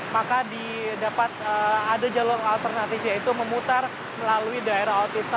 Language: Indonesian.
maka didapat ada jalur alternatif yaitu memutar melalui daerah autista